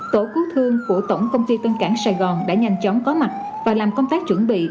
tổ cứu thương của tổng công ty tân cảng sài gòn đã nhanh chóng có mặt và làm công tác chuẩn bị